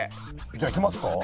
じゃあいきますか？